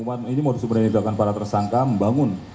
dalam pengumuman ini modus umumnya tidak akan para tersangka membangun